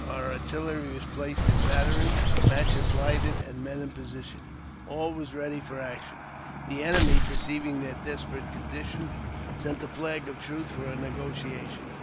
Our artillery was placed in battery, matches lighted, and men in position — all was ready for action. The enemy, perceiving their desperate condition, sent a flag of truce for a negotiation.